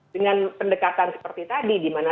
dengan pendekatan seperti tadi dimana